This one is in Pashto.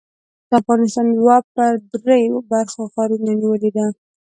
د افغانستان دوه پر درې برخه غرونو نیولې ده.